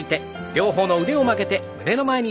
両方の腕を曲げて胸の前に。